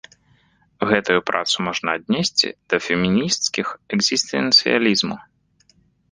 Гэтую працу можна аднесці да фемінісцкіх экзістэнцыялізму.